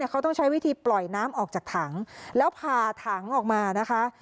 เขาต้องใช้วิธีปล่อยน้ำออกจากถังแล้วผ่าถังออกมานะคะ